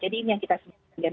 jadi ini yang kita sebutkan